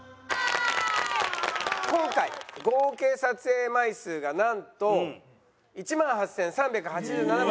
今回合計撮影枚数がなんと１万８３８７枚。